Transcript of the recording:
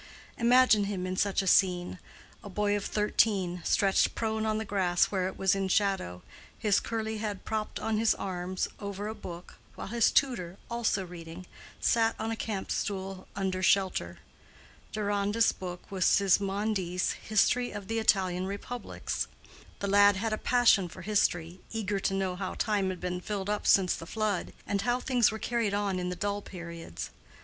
Imagine him in such a scene: a boy of thirteen, stretched prone on the grass where it was in shadow, his curly head propped on his arms over a book, while his tutor, also reading, sat on a camp stool under shelter. Deronda's book was Sismondi's History of the Italian Republics; the lad had a passion for history, eager to know how time had been filled up since the flood, and how things were carried on in the dull periods.